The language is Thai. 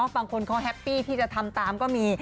บางคนเขาแฮปปี้ที่จะทำตามก็มี